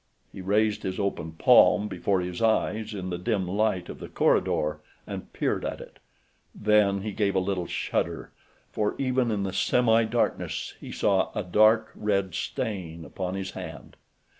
He raised his open palm before his eyes in the dim light of the corridor and peered at it. Then he gave a little shudder, for even in the semi darkness he saw a dark red stain upon his hand.